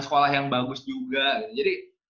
sekolah yang bagus juga jadi